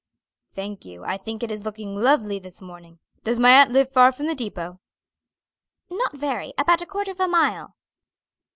"Thank you; I think it is looking lovely this morning. Does my aunt live far from the depot?" "Not very; about a quarter of a mile."